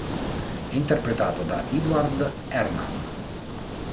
È interpretato da Edward Herrmann.